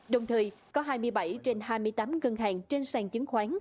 đồng thời có hai mươi bảy trên hai mươi tám ngân hàng trên sàn chứng khoán